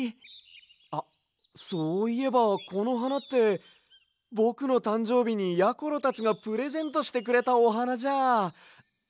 あっそういえばこのはなってぼくのたんじょうびにやころたちがプレゼントしてくれたおはなじゃ。